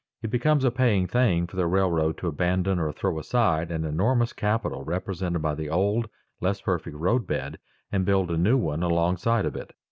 It becomes a paying thing for the railroad to abandon or throw aside an enormous capital represented by the old, less perfect roadbed, and build a new one alongside of it.